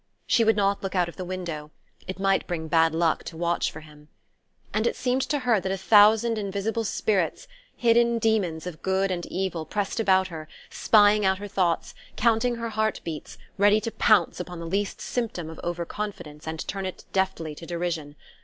She would not look out of the window: it might bring bad luck to watch for him. And it seemed to her that a thousand invisible spirits, hidden demons of good and evil, pressed about her, spying out her thoughts, counting her heart beats, ready to pounce upon the least symptom of over confidence and turn it deftly to derision.